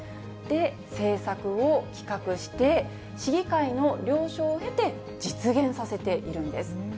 政策を企画して、市議会の了承を経て実現させているんです。